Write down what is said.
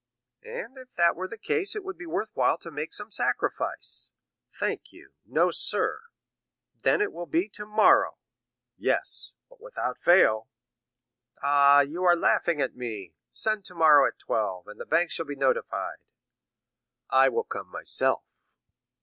"And if that were the case it would be worth while to make some sacrifice." "Thank you, no, sir." "Then it will be tomorrow." "Yes; but without fail." "Ah, you are laughing at me; send tomorrow at twelve, and the bank shall be notified." "I will come myself."